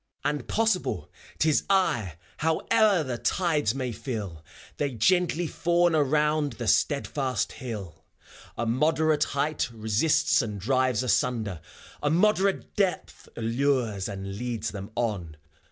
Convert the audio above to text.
And possible 't is I — Howe'er the tides may fill, They gently fawn around the steadfast hill ; A moderate height resists and drives asunder, A moderate depth allures and leads them on.